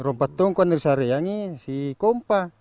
di bawah petani di bawah tulisan ini ada kompa